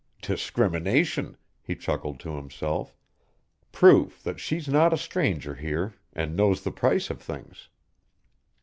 "Discrimination," he chuckled to himself. "Proof that she's not a stranger here, and knows the price of things."